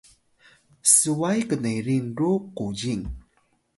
sway knerin ru kuzing